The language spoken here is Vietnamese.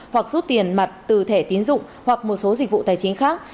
hoặc rút tiền mặt từ thẻ tiến dụng hoặc một số dịch vụ tài chính khác